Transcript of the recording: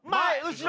後ろ！